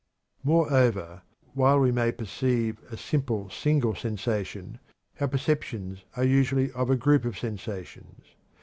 Moreover, while we may perceive a simple single sensation, our perceptions are usually of a group of sensations.